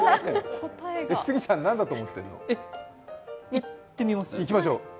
いってみます？